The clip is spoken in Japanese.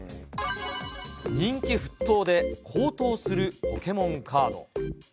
人気沸騰で高騰するポケモンカード。